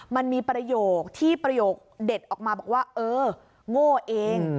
มันมีประโยคที่ประโยคเด็ดออกมาบอกว่าเออโง่เอง